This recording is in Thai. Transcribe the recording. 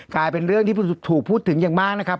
กลายเป็นเรื่องที่ถูกพูดถึงอย่างมากนะครับ